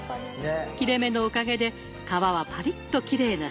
切れ目のおかげで皮はパリッときれいな仕上がり。